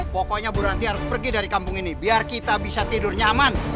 pokoknya bu ranti harus pergi dari kampung ini biar kita bisa tidurnya aman